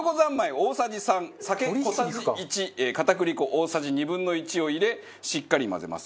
大さじ３酒小さじ１片栗粉大さじ２分の１を入れしっかり混ぜます。